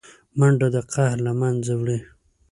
منډه د قهر له منځه وړي